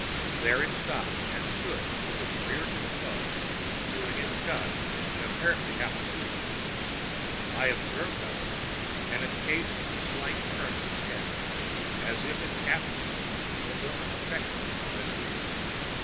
There it stopped and stood with its rear to the foe, chewing its cud and apparently half asleep. I observed, however, an occasional slight turn of its head, as if its apathy were more affected than real.